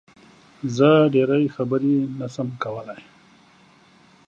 زه ډېری خبرې نه شم کولی